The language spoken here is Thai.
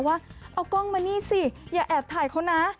ว่าเอากล้องมานี่สิอย่าแอบถ่ายเขานะ